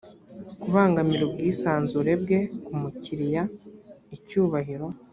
kubangamira ubwisanzure bwe ku mukiriya icyubahiro